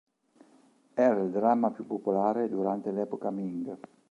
Era il dramma più popolare durante l'epoca Ming.